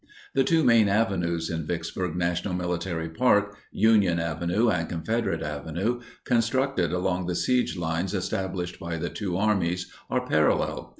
The two main avenues in Vicksburg National Military Park, Union Avenue and Confederate Avenue—constructed along the siege lines established by the two armies—are parallel.